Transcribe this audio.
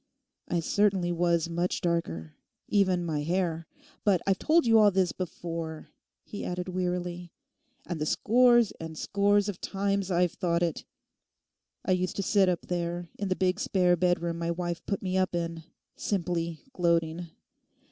I certainly was much darker, even my hair. But I've told you all this before,' he added wearily, 'and the scores and scores of times I've thought it. I used to sit up there in the big spare bedroom my wife put me up in, simply gloating.